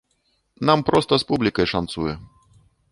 Нам проста з публікай шанцуе.